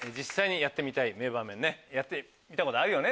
やったみたことあるよね